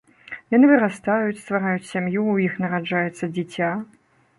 Яны вырастаюць, ствараюць сям'ю, у іх нараджаецца дзіця.